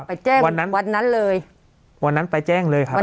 ไปแจ้งวันนั้นวันนั้นเลยวันนั้นไปแจ้งเลยครับ